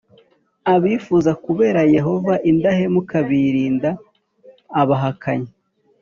Abifuza kubera Yehova indahemuka birinda abahakanyi